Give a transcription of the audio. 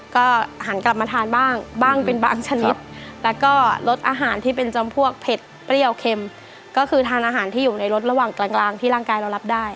ก็หันกลับมาทานบ้างบ้างบ้างเป็นบางชนิดแล้วก็รสอาหารที่เป็นจำพวกเผ็ดเปรี้ยวเค็มก็คือทานอาหารที่อยู่ในรถระหว่างกลางที่ร่างกายเรารับได้